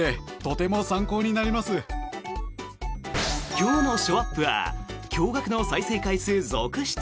今日のショーアップは驚がくの再生回数続出。